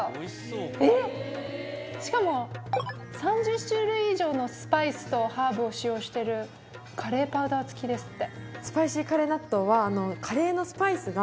３０種類以上のスパイスとハーブを使用してるカレーパウダー付きですって。